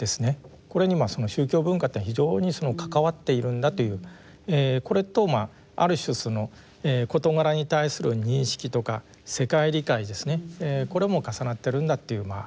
これに宗教文化っていうのは非常に関わっているんだというこれとある種その事柄に対する認識とか世界理解ですねこれも重なってるんだっていう話でした。